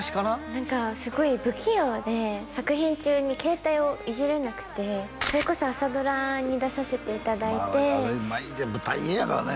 何かすごい不器用で作品中に携帯をいじれなくてそれこそ朝ドラに出させていただいてあれ毎日やっぱ大変やからね